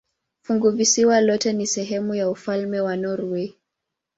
Funguvisiwa lote ni sehemu ya ufalme wa Norwei.